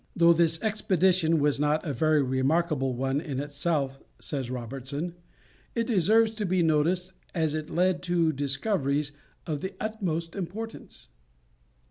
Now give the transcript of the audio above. "Though this expedition was not a very remarkable one in itself," says Robertson, "it deserves to be noticed as it led to discoveries of the utmost importance."